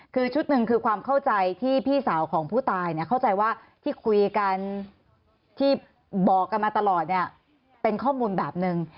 คือชุดหนึ่งคือความเข้าใจที่พี่สาวของผู้ตายเข้าใจว่าที่คุยกันที่บอกกันมาตลอดเนี่ยเป็นข้อมูลแบบหนึ่ง